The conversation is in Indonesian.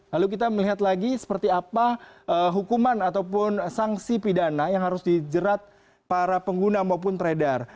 lalu kita melihat lagi seperti apa hukuman ataupun sanksi pidana yang harus dijerat para pengguna maupun peredar